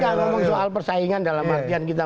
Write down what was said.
jadi kalau ngomong soal persaingan dalam artian kita